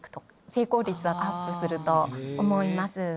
成功率をアップすると思います。